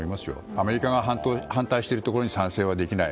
アメリカが反対しているところに賛成はできない。